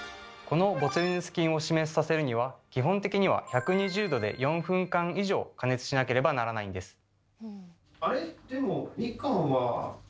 このボツリヌス菌を死滅させるには基本的には１２０℃で４分間以上加熱しなければならないんです。